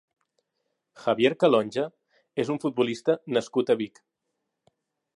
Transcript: Javier Calonge és un futbolista nascut a Vic.